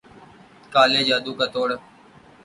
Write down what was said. کالے جادو کا توڑ